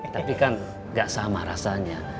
tapi kan gak sama rasanya